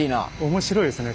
面白いですね。